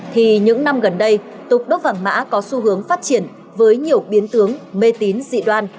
thì những năm gần đây tục đốt vàng mã có xu hướng phát triển với nhiều biến tướng mê tín dị đoan